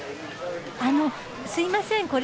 あのすいません。